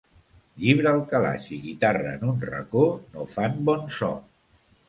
Llibre al calaix i guitarra en un racó, no fan bon so.